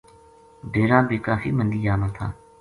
ڈیرا بھی کافی مندی جا ماتھا